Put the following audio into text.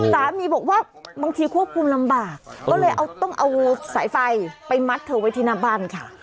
สามีบอกว่าบางทีควบคุมลำบากก็เลยต้องเอาสายไฟไปมัดเธอไว้ที่หน้าบ้านค่ะ